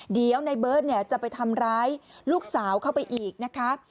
เดี๋ยวในเบิร์ตจะไปทำร้ายลูกสาวเข้าไปอีกนะคะ